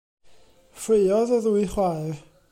Ffraeodd y ddwy chwaer.